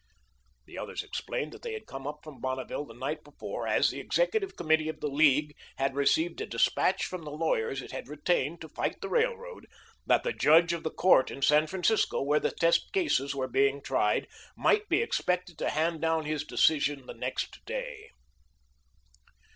The others explained that they had come up from Bonneville the night before, as the Executive Committee of the League had received a despatch from the lawyers it had retained to fight the Railroad, that the judge of the court in San Francisco, where the test cases were being tried, might be expected to hand down his decision the next day.